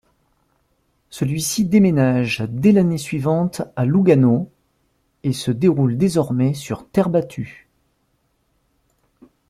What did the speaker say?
Celui-ci déménage dès l'année suivante à Lugano et se déroule désormais sur terre battue.